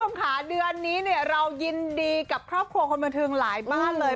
สมขาเดือนนี้เรายินดีกับครอบครัวคนบริธีงหลายบ้านเลย